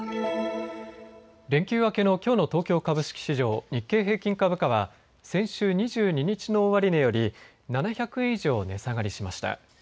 連休明けのきょうの東京株式市場、日経平均株価は先週２２日の終値より７００円以上値下がりしました。